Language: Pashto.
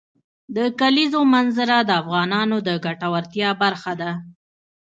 د کلیزو منظره د افغانانو د ګټورتیا برخه ده.